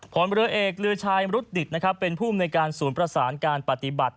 ผลเรือเอกเรือชายมรุตดิตเป็นผู้ในการศูนย์ประสานการปฏิบัติ